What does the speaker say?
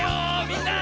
みんな！